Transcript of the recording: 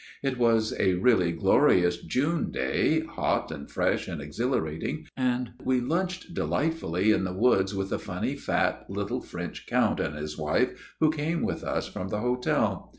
" It was a really glorious June day, hot and fresh and exhilarating ; and we lunched delight fully in the woods with a funny fat little French Count and his wife who came with us from the hotel.